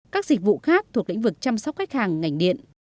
các dịch vụ khác thuộc lĩnh vực chăm sóc khách hàng ngành điện